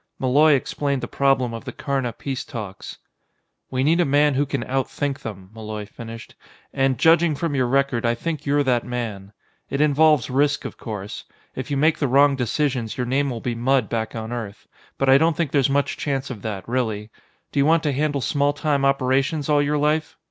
Malloy explained the problem of the Karna peace talks. "We need a man who can outthink them," Malloy finished, "and judging from your record, I think you're that man. It involves risk, of course. If you make the wrong decisions, your name will be mud back on Earth. But I don't think there's much chance of that, really. Do you want to handle small time operations all your life?